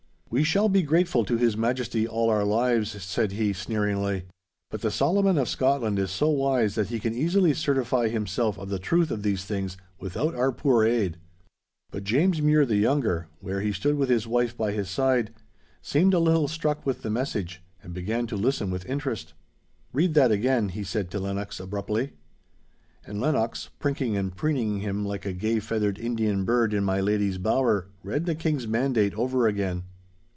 'We shall be grateful to His Majesty all our lives,' said he, sneeringly, 'but the Solomon of Scotland is so wise that he can easily certify himself of the truth of these things without our poor aid.' But James Mure the younger, where he stood with his wife by his side, seemed a little struck with the message, and began to listen with interest. 'Read that again,' he said to Lennox, abruptly. And Lennox, prinking and preening him like a gay feathered Indian bird in my lady's bower, read the King's mandate over again.